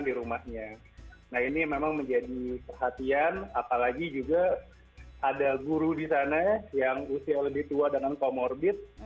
nah ini memang menjadi perhatian apalagi juga ada guru di sana yang usia lebih tua dengan comorbid